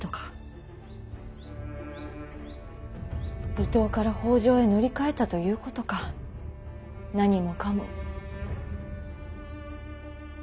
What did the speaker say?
伊東から北条へ乗り換えたということか何もかも。